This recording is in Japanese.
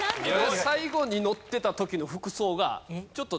最後に乗ってた時のえっ！